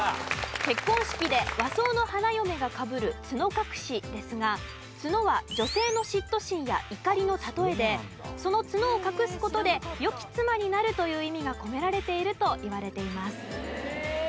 結婚式で和装の花嫁がかぶる角隠しですが角は女性の嫉妬心や怒りの例えでその角を隠す事で良き妻になるという意味が込められているといわれています。